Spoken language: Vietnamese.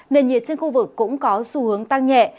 nền nhiệt trên khu vực cũng có xu hướng tăng nhẹ